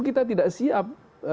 kita tidak siap